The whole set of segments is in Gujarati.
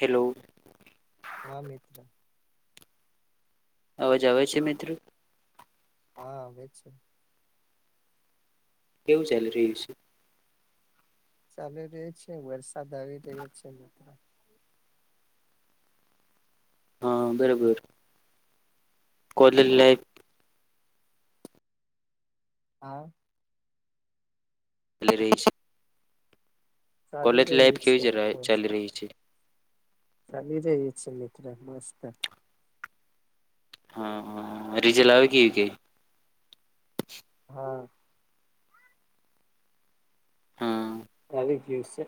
હેલો હા મિત્ર અવાજ આવે છે મિત્રો હા આવે છે કેવું ચાલી રહ્યું છે ચાલુ રહ્યો છે વરસાદ આવી રહ્યો છે હા બરોબર કોલેજ લાઇફ હા [unintelligible] ચાલી કોલેજ રહ્યું લાઈફ છે કેવી બસ ચાલી રહી છે ચાલી રહી છે મિત્ર મસ્ત હા હા હા રીજલા આવે કે કે હા હા આવી ગયું છે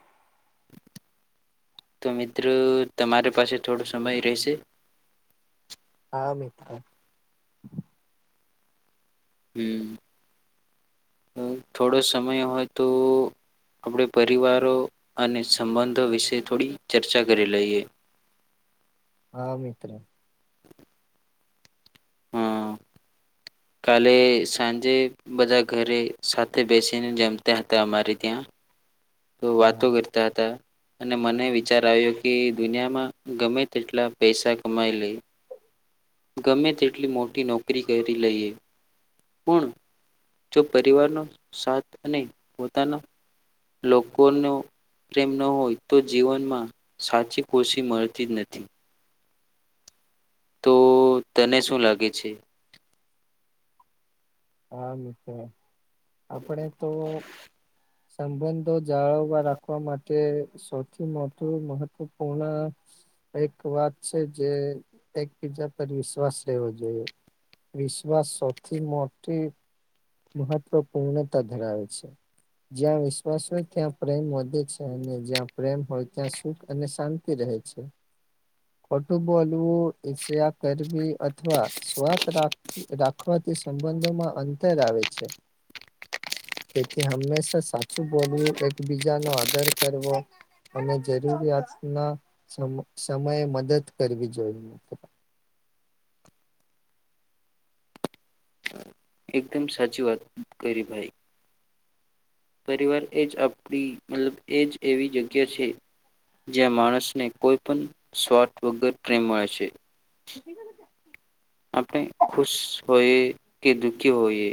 તો મિત્રો તમારી પાસે થોડો સમય રહેશે હા મિત્ર હમ્મ થોડો સમય હોય તો આપણે પરિવારો અને સંબંધો વિશે થોડી ચર્ચા કરી લઈએ હા મિત્ર હા કાલે સાંજે બધા ઘરે સાથે બેસીને જમતા હતા અમારી ત્યાં તો વાતો હા કરતા હતા અને મને વિચાર આવ્યો કે દુનિયામાં ગમે તેટલા પૈસા કમાઈ લે ગમે તેટલી મોટી નોકરી કરી લઈએ પણ જો પરિવારનો સાથ અને પોતાનો લોકોનો પ્રેમ ન હોય તો જીવનમાં સાચી ખુરશી મળતી જ નથી તો તને શું લાગે છે? હા મ આપડે તો સંબંધો જાળવવા રાખવા માટે સૌથી મોટી મહત્વપૂર્ણા એક વાત છે જે એકબીજા પર વિશ્વાસ લેવો જોઈએ વિશ્વાસ સૌથી મોટી મહત્વપૂર્ણતા ધરાવે છે. જ્યાં વિશ્વાસ હોય ત્યાં પ્રેમ વધે છે અને જ્યાં પ્રેમ હોય ત્યાં સુખ અને શાંત ક રહેે છે. ખોટું બોલવું ઈ કરવી અથવા સ્વાથ રાખ રાખવાથી સંબંધોમાં અંતર આવે છે. તેથી હંમેશા સાચું બોલવું એકબીજા ન આદર કરવો અને જરૂરિયાત ના સમયે મદદ કરવી જોઈએ એકદમ સાચી વાત કરી ભાઈ પરિવાર એજ આપણી મતલબ એજ એવી જગ્યા છે. જ્યાં માણસ ને કોઈ પણ સ્વાથ વગર પ્રેમ મળે છે. આપણે ખુશ હોઈએ કે દુઃખી હોઈએ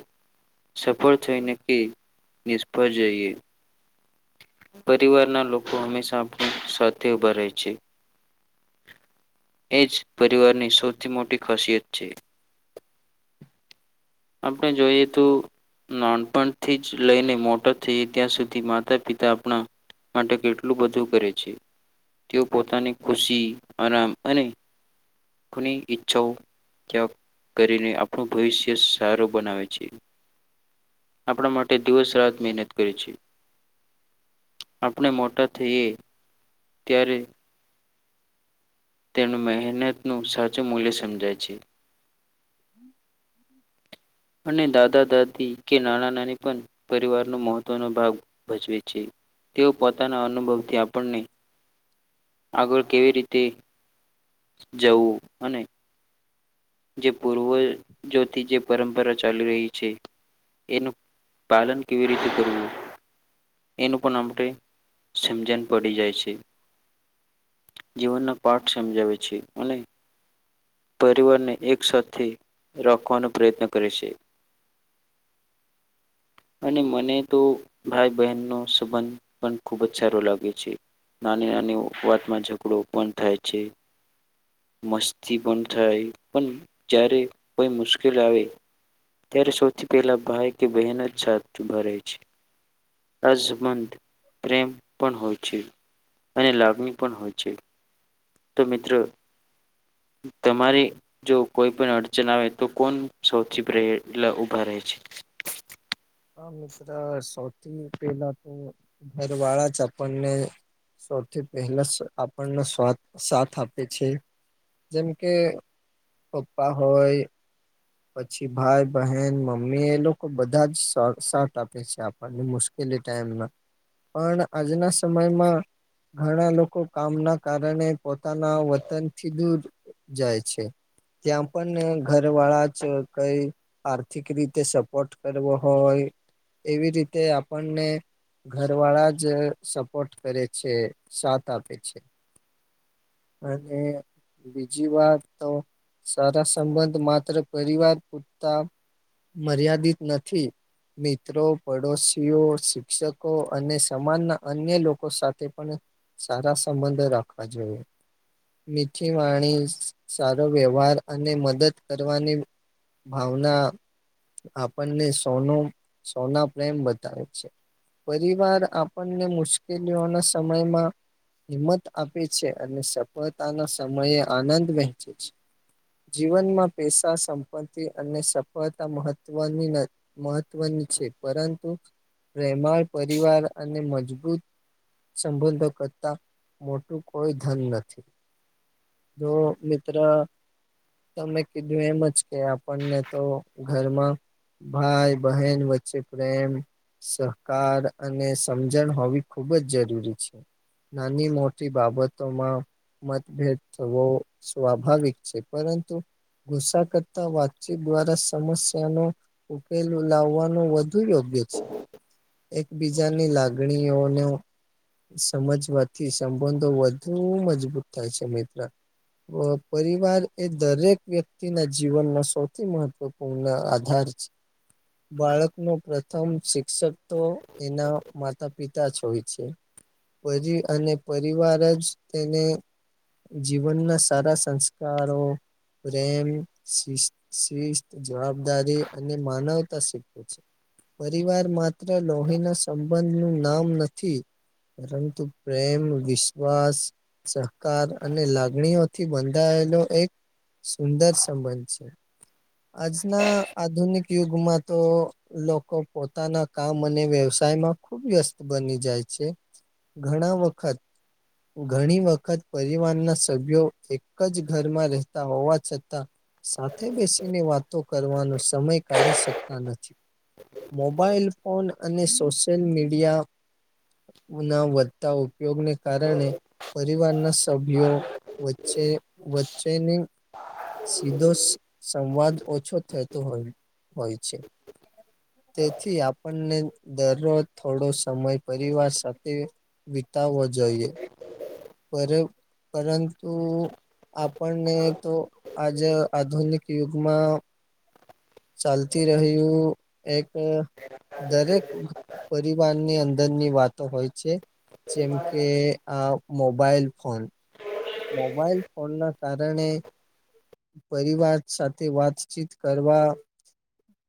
સફળ થઈને કે નિષ્ફળ જઈએ પરિવારના લોકો હંમેશા આપણી સાથે ઉભા રહે છે. એજ પરિવારની સૌથી મોટી ખાસિયત છે. આપણે જોઈએ તો નાનપણથી જ લઈને મોટા થઈ ત્યાં સુધી માતા પિતા આપણા માટે કેટલું બધું કરે છે. તેઓ પોતાની ખુશી આરામ અને કોની ઈચ્છાઓ ત્યાગ કરીને આપણું ભવિષ્ય સાર બનાવે છે આપણા માટે દિવસ રાત મહેનત કરે છે. આપણે મોટા થઈએ ત્યારે તેમનું મહેનત નું સાચું મૂલ્ય સમજાય છે. [unintelligible] અને દાદા દાદી કે નાના નાની પણ પરિવારનો મહત્વનો ભાગ ભજવે છે. તેઓ પોતાના અનુભવથી આપણને આગળ કેવી રીતે જવું અને જે પૂર્વજોથી જે પરંપરા ચાલી રહી છે એનું પાલન કેવી રીતે કરવું એનું પણ આપણે સમજણ પડી જાય છે. જીવન ના પાઠ સમજાવે છે અને પરિવાર ને એક સાથે રાખવાનો પ્રયત્ન કરે છે. અને મને તો ભાઈ બહેનનો સંબંધ પણ ખુબ જ સારો લાગે છે. નાની નાની વાતમાં ઝઘડો પણ થાય છે. મસ્તી પણ થાય પણ જય્યારે કોઈ મુશ્કેલ આવે ત્યારે સૌથી પહેલા ભાઈ કે બહેન જ હથ ભરે છે આઝમન પ્રેમ પણ હોય છે અને લાગણી પણ હોય છે તો મિત્રો તમારી જો કોઈ પણ અડચન આવે તો કોણ સૌથી પ્રે લા ઉભાારય છે. હા મિત્ર સૌથી પેલા તો ઘર વાળા જ આપણને સૌથી પહેલા આપણને સ્વાદ સાથ આપે છે. જેમ કે પપ્પા હોય પછી ભાઈ બહેન મમ્મી એ લોકો બધા જ શર્ટ આપે છે આપ મુશ્કેલી ટાઈમ ના પણ આજના સમયમાં ઘણા લોકો કામના કારણે પોતાના વતનથી દૂર જાય છે ત્યાં પણ ઘર વાળા કઈ આર્થિક રીતે સપોર્ટ કરવો હોય એવી રીતે આપણને ઘર વાળા જ સપોર્ટ કરે છે સાથ આપે છે અને બીજી વાત તો સારા સંબંધ માત્ર પરિવાર પૂરતા મર્યાદિત નથી મિત્રો પડોશીઓ શિક્ષકો અને સમાજના અન્ય લોકો સાથે પણ સારા સંબંધો રાખવા જોઈએ મીથીી વાણી સારો વ્યવહાર અને મદદ કરવાની ભાવના આપણને સોનું સોના પ્રેમ બતાવે છે પરિવાર આપણને મુશ્કેલીઓના સમયમાં હિંમત આપે છે અને સફળતાના સમયે આનંદ વહેંચે છે જીવનમાં પૈસા સંપ અને સફળતા મહત્વની મહત્વની છે પરંતુ પ્રેમાળ પરિવાર અને મજબૂત સંબંધો કરતા મોટું કોઈ ધન નથી જો મિત્ર તમે કીધું એમ જ કે આપણને તો ઘરમાં ભાઈ બહેન વચ્ચે પ્રેમ સહકાર અને સમજણ હોવી ખૂબ જ જરૂરી છે નાની મોટી બાબતો માં મતભેદ થવો સ્વાભાવિક છે પરંતુ ગુસાકત વાતચીત દ્વારા સમસ્યાનો ઉકેલ લાવવાનો વધુ યોગ્ય છે એકબીજાની લાગણીઓને સમજવાથી સંબંધો વધુ મજબૂત થાય છે મિત્ર પરિવાર એ દરેક વ્યક્તિના જીવનના સૌથી મહત્વપૂર્ણ આધાર છે બાળકનો પ્રથમ શિક્ષક તો એના માતા પિતા જ હોય છે પર અને પરિવાર જ તેને જીવનના સારા સંસ્કારો પ્રેમ શ શિસ્ત જવાબદારી અને માનવતા શીખવે છે પરિવાર માત્ર લોહીના સંબંધ નું નામ નથી પરંતુ પ્રેમ વિશ્વાસ સહકાર અને લાગણીઓથી બંધાયેલો એક સુંદર સંબંધ છે આજના આધુનિક યુગમાં તો લોકો પોતાના કામ અને વ્યવસાયમાં ખુબ વ્યસ્ત બની જાય છે ઘણા વખત ઘણી વખત પરિવારના સભ્યો એક જ ઘરમાં રહેતા હોવા છતાં સાથે બેસીને વાતો કરવાનો સમય કાઢી શકતા નથી મોબાઈલ ફોન અને સોશિયલ મીડિયા ના વ ઉપયોગને કારણે પરિવારના સભ્યો વચ્ચે વચ્ચે ની સીધો સંવાદ ઓછો થતો હોય હોય છે તેથી આપણને દરરોજ થોડો સમય પરિવાર સાથે વિતાવવો જોઈએ રે પરંતુ આપણને તો આજ આધુનિક યુગમાં ચાલતી રહ્યું એક દરેક પરિવારની અંદરની વાતો હોય છે જેમ કે આ મોબાઈલ ફોન મોબાઈલ ફોન ના કારણે પરિવાર સાથે વાતચીત કરવા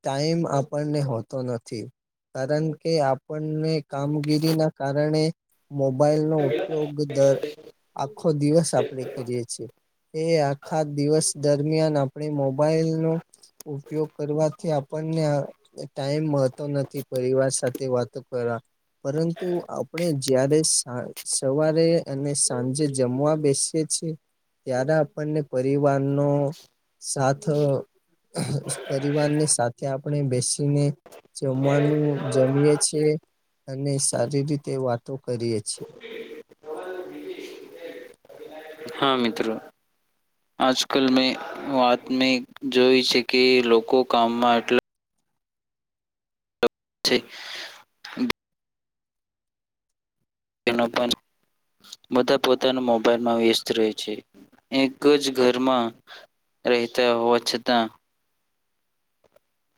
ટાઈમ આપણને હોતો નથી કારણ કે આપણને કામગીરી ના કારણે મોબાઈલનો ઉપયોગ દર આખો દિવસ આપણે કરીએ છીએ એ આખા દિવસ દરમિયાન આપણે મોબાઈલ નો ઉપયોગ કરવાથી આપણને ટાઈમ મળતો નથી પરિવાર સાથે વાતો કરવા પરંતુ આપણે જયારે સા સવારે અને સાંજે જમવા બેસીએ છીએ ત્યારે આપણને પરિવાર નો સાથ પરિવાર ને સાથે આપણે બેસીને જમવાનું જમીએ છીએ અને સારી રીતે વાતો કરીએ છીએ હા મિત્રો આજકાલ મેં વાત મે જોઈ છે કે લોકો કામમાં એટલા છે તેનો પણ બધા પોતાના મોબાઈલમાં વ્યસ્ત રહે છે એક જ ઘરમાં રહેતા હોવા છતા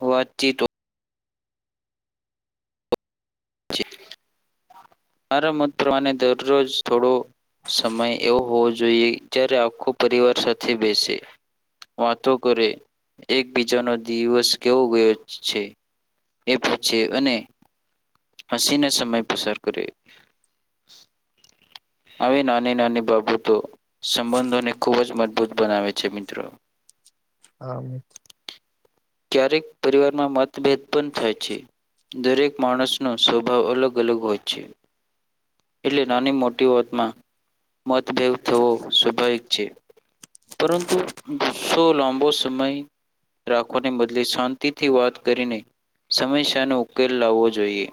વાતચીતો મારા મત પ્રમાણે ને દરરોજ થોડો સમય એવો હોવો જોઈએ જ્યારે આખો પરિવાર સાથે બેસે વાતો કરે એકબીજાનો દિવસ કેવો ગયો છે એ પુછે અને હસીને સમય પસાર કરે આવી નાની નાની બાબતો સંબંધોને ખૂબ જ મજબૂત બનાવે છે મિત્રો આમ ક્યારેક પરિવારમાં મતભેદ પણ થાય છે દરેક માણસનો સ્વભાવ અલગ અલગ હોય છે એટલે નાની મોટી વાતમાં મતભેદ થવો સ્વાભાવિક છે પરંતુ ગુસ્સો લાંબો સમય ને બદલે શાંતિ થી વાત કરીને સમસ્યાનો ઉકેલ લાવવો જોઈએ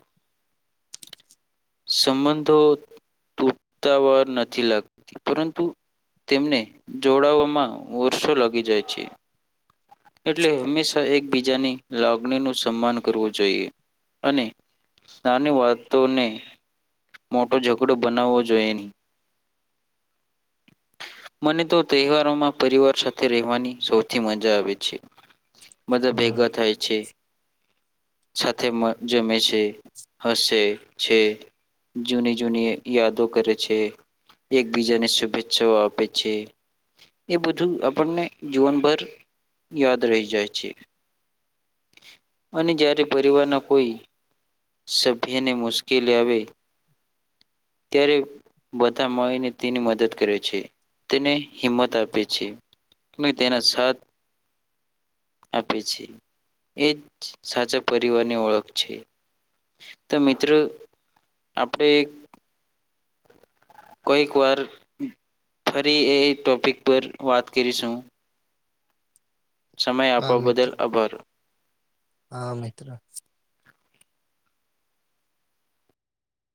સંબંધો તૂટતા વાર નથી લાગતી પરંતુ તેમને જોડવામાં વર્ષો લાગી જાય છે એટલે હંમેશા એકબીજાની લાગણી નું સન્માન કરવું જોઈએ અને નાની વાતો ને મોટો ઝઘડો બનાવવો જોઈએ નહી મને તો તહેવારોમાં પરિવાર સાથે રહેવાની સૌથી મજા આવે છે બધા ભેગા થાય છે સાથે મ જમે છે હસે છે જૂની જૂની યાદો કરે છે એક બીજાને શુભેચ્છાઓ આપે છે. એ બધું આપણને જીવનભર. યાદ રહી જાય છે અને જ્યારે પરિવારના કોઈ સભ્ય ને મુશ્કેલી આવે ત્યારે બધા મળીને તેની મદદ કરે છે, તેને હિંમત આપે છે. અમે તેના સાથ આપે છે એજ સાચા પરિવાર ની ઓળખ છે. તો મિત્ર આપડે. કોઈક વાર. ફરી એ ટોપિક પર વાત કરીશું. સમય હા આપવા મિત્ર. બદલ આભાર. હા મિત્ર.